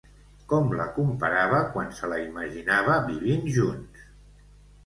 Com la comparava quan se la imaginava vivint junts?